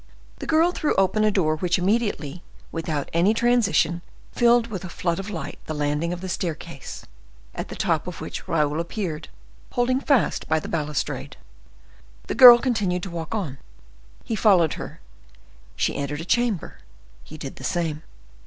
The girl threw open a door, which immediately, without any transition, filled with a flood of light the landing of the staircase, at the top of which Raoul appeared, holding fast by the balustrade. The girl continued to walk on—he followed her; she entered a chamber—he did the same.